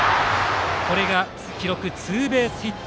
これが記録はツーベースヒット。